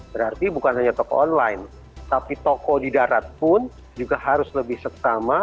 berarti bukan hanya toko online tapi toko di darat pun juga harus lebih seksama